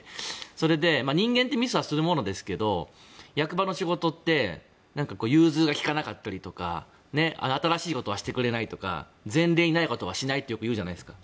それで人間ってミスはするものですけど役場の仕事って融通が利かなかったりとか前例にないことはしないというじゃないですか。